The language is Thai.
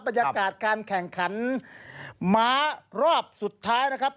บรรยากาศการแข่งขันม้ารอบสุดท้ายนะครับ